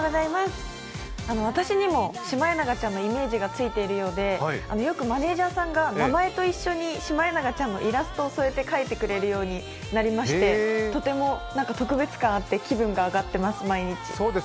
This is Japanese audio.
私にもシマエナガちゃんのイメージがついているようでよくマネージャーさんが名前と一緒に、シマエナガちゃんのイラストを添えて書いてもらうようになってとても特別感あって気分が上がっています、毎日。